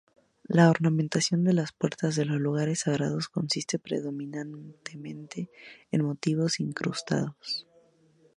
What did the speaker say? La ornamentación de las puertas de los lugares sagrados consiste predominantemente en motivos incrustados.